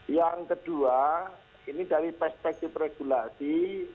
yang kedua ini dari perspektif regulasi